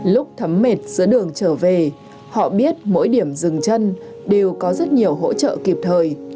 lúc thấm mệt giữa đường trở về họ biết mỗi điểm rừng chân đều có rất nhiều hỗ trợ kịp thời